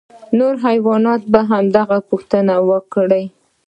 نورو حیواناتو د هغه پوښتنه وکړه.